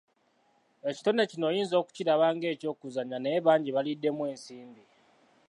Ekitone kino oyinza okukiraba ng'eky'okuzannya naye bangi baliddemu ensimbi!